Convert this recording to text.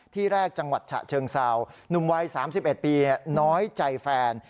ที่แรกจังหวัดฉะเชิงเซาหนุ่มวัย๓๑ปีน้อยใจแฟน